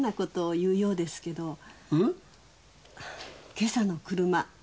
今朝の車。